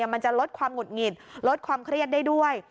มันจะลดความหุดหงิดลดความเครียดได้ด้วย